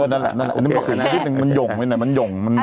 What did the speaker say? อันนี้ไม่คลิปน่ะมันหย่งไว้หน่อย